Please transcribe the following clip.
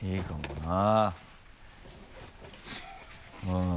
うん。